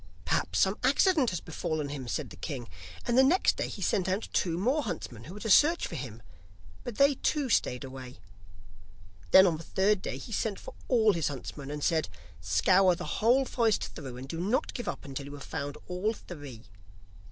'Perhaps some accident has befallen him,' said the king, and the next day he sent out two more huntsmen who were to search for him, but they too stayed away. Then on the third day, he sent for all his huntsmen, and said: 'Scour the whole forest through, and do not give up until you have found all three.